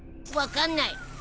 分かんない。